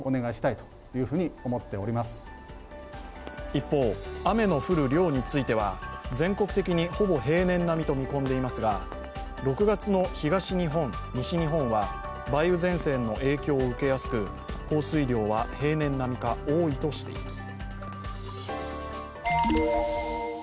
一方、雨の降る量については全国的にほぼ平年並みと見込んでいますが、６月の東日本・西日本は梅雨前線の影響を受けやすく降水量は平年並みか多いとしています。